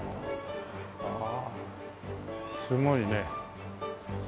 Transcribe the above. ああすごいね。